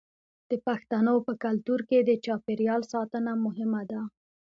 د پښتنو په کلتور کې د چاپیریال ساتنه مهمه ده.